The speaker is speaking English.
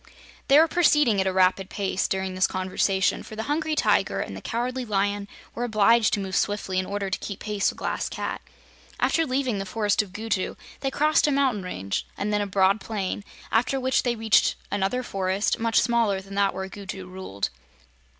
They were proceeding at a rapid pace during this conversation, for the Hungry Tiger and the Cowardly Lion were obliged to move swiftly in order to keep pace with the Glass Cat. After leaving the Forest of Gugu they crossed a mountain range, and then a broad plain, after which they reached another forest, much smaller than that where Gugu ruled.